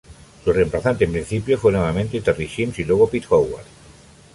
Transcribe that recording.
Su reemplazante en principio fue nuevamente Terry Chimes y luego Pete Howard.